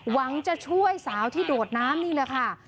หวังจะช่วยสาวที่โดดน้ำนี่แหละค่ะ